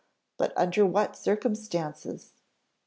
but under what circumstances?